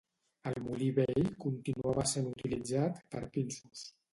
El molí vell continuava sent utilitzat per pinsos.